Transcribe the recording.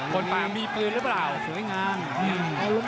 คนมามีปืนหรือเปล่าสวยงาม